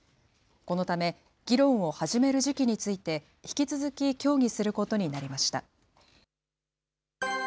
このため、議論を始める時期について、引き続き協議することになりました。